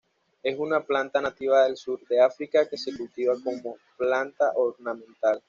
Es una planta nativa del sur de África que se cultiva como planta ornamental.